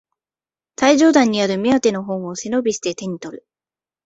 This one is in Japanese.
最上段にある目当ての本を背伸びして手にとる